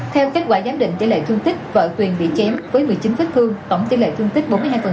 theo kết quả giám định tỷ lệ thương tích vợ tuyền bị chém với một mươi chín vết thương tổng tỷ lệ thương tích bốn mươi hai